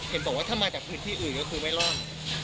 เห็นบอกว่าถ้ามาจากพื้นที่อื่นก็คือไม่รอด